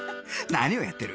何をやってる